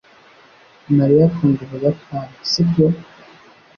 Mariya akunda Ubuyapani, sibyo?